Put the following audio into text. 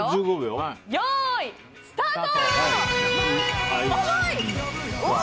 よーい、スタート！